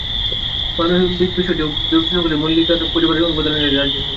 মানবিক বিষয়টি বিবেচনা করে মল্লিকার পরিবার অঙ্গ দানের জন্য রাজি হয়।